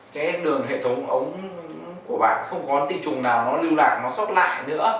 cái đường hệ thống ống của bạn không có tinh trùng nào nó lưu lại nó sót lại nữa